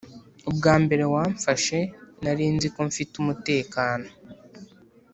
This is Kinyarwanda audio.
ubwa mbere wamfashe, nari nzi ko mfite umutekano.